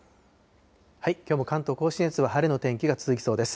きょうも関東甲信越は晴れの天気が続きそうです。